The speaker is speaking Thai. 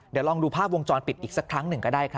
เดี๋ยวลองดูภาพวงจรปิดอีกสักครั้งหนึ่งก็ได้ครับ